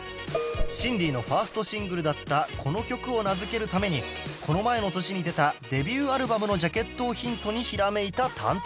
シンディのファーストシングルだったこの曲を名付けるためにこの前の年に出たデビューアルバムのジャケットをヒントにひらめいた担当者